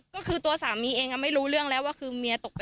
ก็คือตัวสามีเองไม่รู้เรื่องแล้วว่าคือเมียตกไป